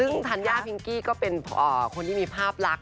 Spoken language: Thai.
ซึ่งธัญญาพิงกี้ก็เป็นคนที่มีภาพลักษ